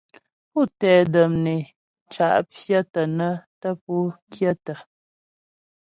Pú tɛ də̀m né cǎ' pfyə̂tə nə́ tə́ pú kyə̂tə.